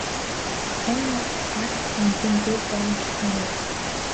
Амь нас галт бөмбөгөн дээр байна гэсэн үг.